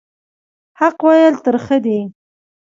حق ویل ترخه دي